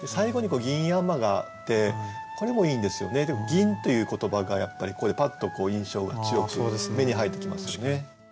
「銀」という言葉がやっぱりパッと印象を強くする目に入ってきますよね。